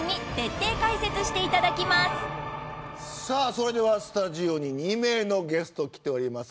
それではスタジオに２名のゲストが来ております。